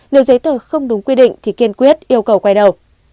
nếu giấy tờ không đúng quy định thì kiên quyết yêu cầu quay đầu